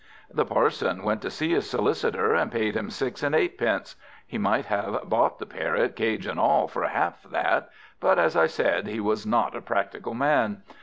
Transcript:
The Parson went to see his Solicitor, and paid him six and eightpence. He might have bought the Parrot, cage and all, for half that; but, as I said, he was not a practical man.